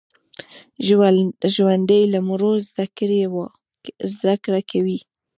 ژوندي له مړو زده کړه کوي